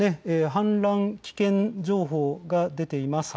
氾濫危険情報が出ています。